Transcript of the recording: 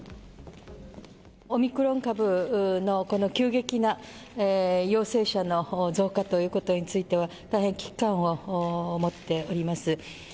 オミクロン株のこの急激な陽性者の増加ということについては、大変危機感を持っております。